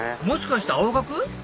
もしかして青学？